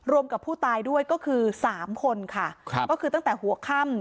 กับผู้ตายด้วยก็คือสามคนค่ะครับก็คือตั้งแต่หัวค่ำ